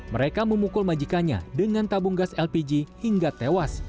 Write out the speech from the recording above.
mereka memukul majikannya dengan tabung gas lpg hingga tewas